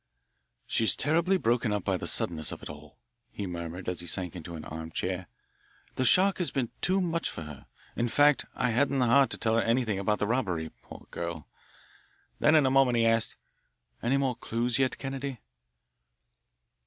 "She's terribly broken up by the suddenness of it all," he murmured as he sank into an armchair. "The shock has been too much for her. In fact, I hadn't the heart to tell her anything about the robbery, poor girl." Then in a moment he asked, "Any more clues yet, Kennedy?"